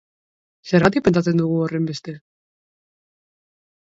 Zergatik pentsatzen dugu horrenbeste?